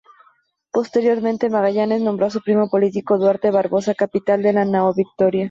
Posteriormente Magallanes nombró a su primo político Duarte Barbosa capitán de la nao "Victoria".